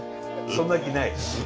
そんな気ない？